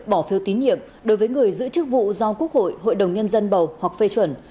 bỏ phiếu tín nhiệm đối với người giữ chức vụ do quốc hội hội đồng nhân dân bầu hoặc phê chuẩn